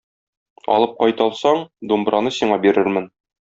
Алып кайта алсаң, думбраны сиңа бирермен.